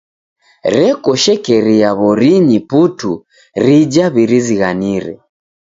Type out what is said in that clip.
Reko shekeria w'orinyi putu rija w'irizighanire.